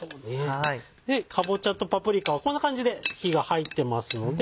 かぼちゃとパプリカはこんな感じで火が入ってますので。